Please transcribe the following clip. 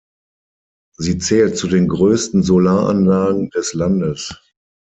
Sie zählt zu den größten Solaranlagen des Landes.